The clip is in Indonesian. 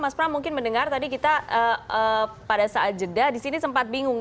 mas pram mungkin mendengar tadi kita pada saat jeda di sini sempat bingung